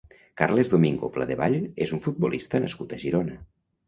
Carles Domingo Pladevall és un futbolista nascut a Girona.